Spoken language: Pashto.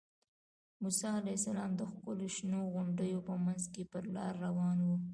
موسی علیه السلام د ښکلو شنو غونډیو په منځ کې پر لاره روان و.